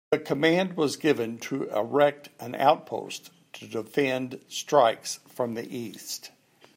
The command was given to erect an outpost to defend strikes from the east.